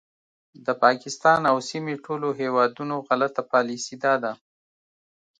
د پاکستان او د سیمې ټولو هیوادونو غلطه پالیسي دا ده